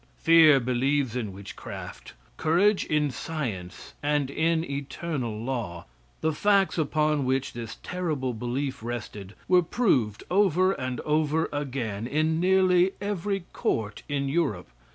Fear believes in witchcraft; courage in science and in eternal law. The facts upon which this terrible belief rested were proved over and over again in nearly every court in Europe.